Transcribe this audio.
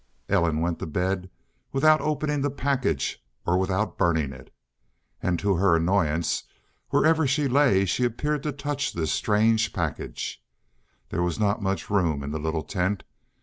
Ellen went to bed without opening the package or without burning it. And to her annoyance, whatever way she lay she appeared to touch this strange package. There was not much room in the little tent.